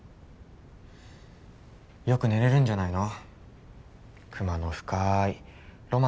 よく寝れるんじゃないの？